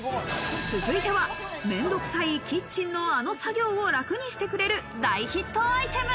続いては面倒くさいキッチンのあの作業を楽にしてくれる大ヒット